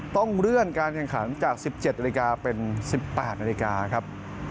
ต้องเลื่อนการแข่งขันจาก๑๗นาฬิกาเป็น๑๘นาฬิกาครับ